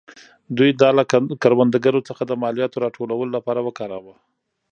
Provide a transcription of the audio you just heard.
دوی دا له کروندګرو څخه د مالیاتو راټولولو لپاره وکاراوه.